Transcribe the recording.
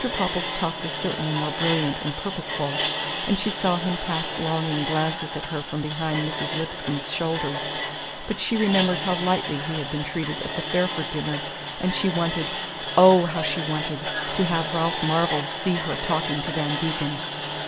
Popple's talk was certainly more brilliant and purposeful, and she saw him cast longing glances at her from behind Mrs. Lipscomb's shoulder; but she remembered how lightly he had been treated at the Fairford dinner, and she wanted oh, how she wanted! to have Ralph Marvell see her talking to Van Degen.